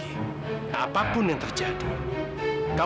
oke aku terima